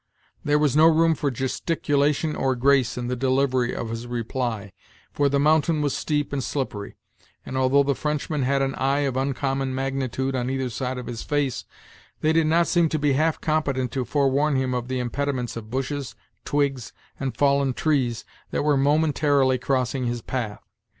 There was no room for gesticulation or grace in the delivery of his reply, for the mountain was steep and slippery; and, although the Frenchman had an eye of uncommon magnitude on either side of his face, they did not seem to be half competent to forewarn him of the impediments of bushes, twigs, and fallen trees, that were momentarily crossing his path.